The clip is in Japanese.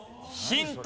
ヒント